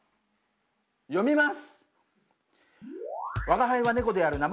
読みます！